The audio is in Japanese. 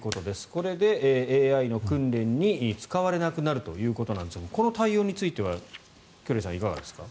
これでＡＩの訓練に使われなくなるということですがこの対応については栗原さん、いかがですか。